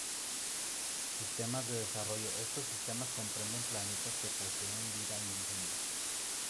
Sistemas en Desarrollo: Estos sistemas comprenden planetas que poseen vida indígena.